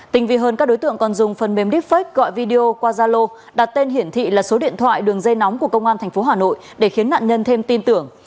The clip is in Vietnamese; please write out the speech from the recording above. tinh vi hơn các đối tượng còn dùng phần mềm deepfake gọi video qua zalo đặt tên hiển thị là số điện thoại đường dây nóng của công an tp hà nội để khiến nạn nhân thêm tin tưởng